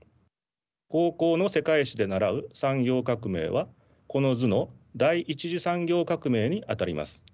高校の世界史で習う産業革命はこの図の第１次産業革命にあたります。